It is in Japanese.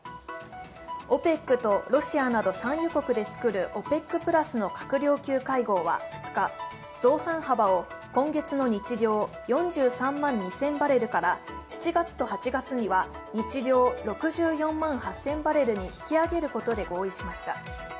ＯＰＥＣとロシアなど産油国で作るＯＰＥＣプラスの閣僚級会合は２日、増産幅を今月の日量４３万２０００バレルから７月と８月には日量６４万８０００バレルに引き揚げることで合意しました。